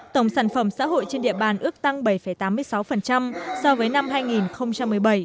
tổng sản phẩm xã hội trên địa bàn ước tăng bảy tám mươi sáu so với năm hai nghìn một mươi bảy